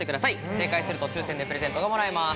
正解すると抽選でプレゼントがもらえます。